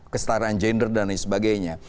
kestaraan gender dan lain sebagainya